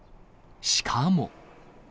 しかも。